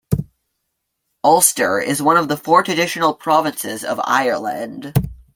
Ulster is one of the four traditional provinces of Ireland.